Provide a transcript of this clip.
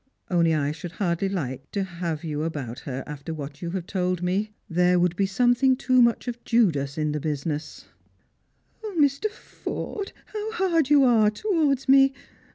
Only I should hardly like to ^ about her after what you have told me. There would be^. > i thing too much of Judas in the business." " O, Mr. Forde, how hard you are towards me